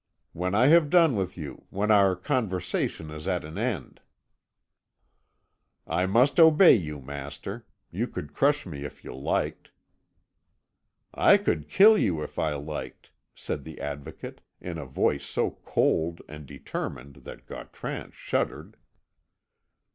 "When I have done with you when our conversation is at an end." "I must obey you, master. You could crush me if you liked." "I could kill you if I liked," said the Advocate, in a voice so cold and determined that Gautran shuddered.